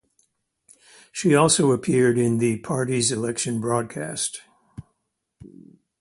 She also appeared in the party's election broadcast.